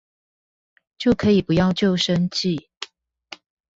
就可以不要舊生計